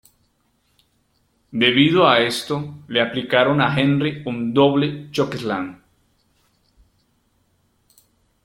Debido a esto, le aplicaron a Henry un "Double Chokeslam".